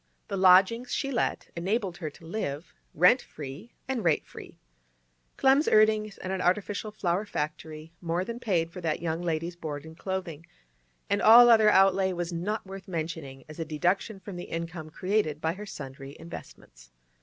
The lodgings she let enabled her to live rent free and rate free. Clem's earnings at an artificial flower factory more than paid for that young lady's board and clothing, and all other outlay was not worth mentioning as a deduction from the income created by her sundry investments.